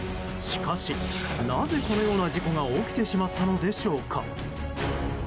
しかし、なぜこのような事故が起きてしまったのでしょうか。